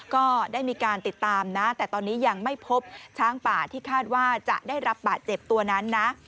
ก็ได้มีการติดตามนะแต่ตอนนี้ยังไม่พบช้างป่าที่คาดว่าจะได้รับบาดเจ็บตัวนั้นนะ